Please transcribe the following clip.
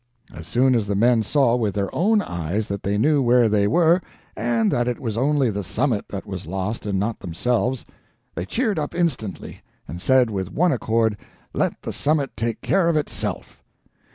As soon as the men saw with their own eyes that they knew where they were, and that it was only the summit that was lost and not themselves, they cheered up instantly and said with one accord, let the summit take care of itself.